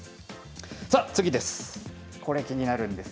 次です。